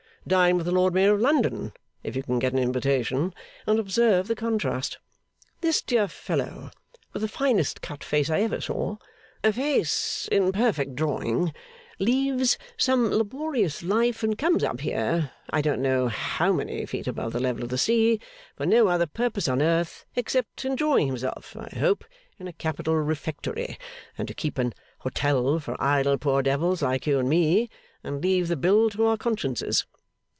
Dine with the Lord Mayor of London (if you can get an invitation) and observe the contrast. This dear fellow, with the finest cut face I ever saw, a face in perfect drawing, leaves some laborious life and comes up here I don't know how many feet above the level of the sea, for no other purpose on earth (except enjoying himself, I hope, in a capital refectory) than to keep an hotel for idle poor devils like you and me, and leave the bill to our consciences!